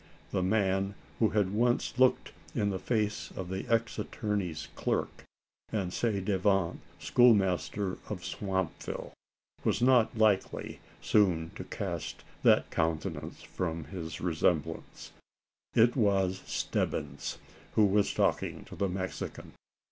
The man who had once looked in the face of the ex attorney's clerk, and ci devant schoolmaster of Swampville, was not likely soon to cast that countenance from his remembrance. It was Stebbins who was talking to the Mexican.